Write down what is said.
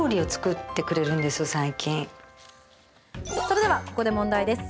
それではここで問題です。